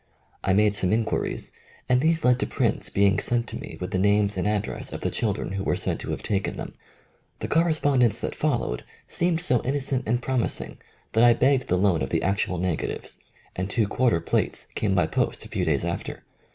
I made some inquiries, and these led to prints being sent to me with the names and address of the children who were said to have taken them. The corre spondence that followed seemed so innocent and promising that I begged the loan of the actual negatives — and two quarter plates came by post a few days after.